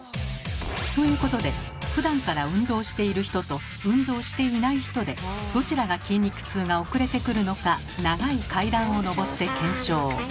ということでふだんから運動している人と運動していない人でどちらが筋肉痛が遅れてくるのか長い階段を上って検証。